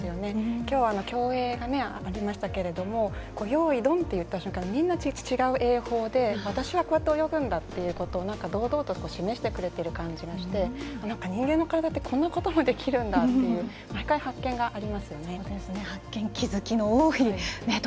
きょうは競泳がありましたけれど「よーいドン」って言った瞬間にみんな、違う泳法で私はこうやって泳ぐんだということを堂々と示してくれてる感じがして人間の空だってこんなこともできるんだという毎回、発見がありますよね。